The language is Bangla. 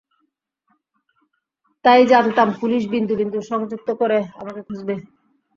তাই, জানতাম পুলিশ বিন্দু বিন্দু সংযুক্ত করে আমাকে খুঁজবে।